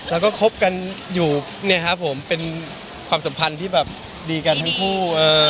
เราก็คบกันอยู่เป็นความสัมพันธ์ที่ดีกันทั้งคู่